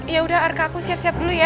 yaudah arka aku siap siap dulu ya